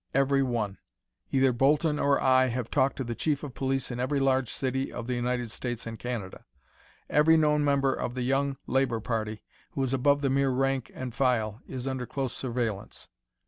"Every one. Either Bolton or I have talked to the Chief of Police in every large city in the United States and Canada. Every known member of the Young Labor party who is above the mere rank and file is under close surveillance."